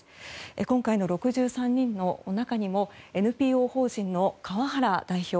今回の６３人の中にもＮＰＯ法人の川原代表。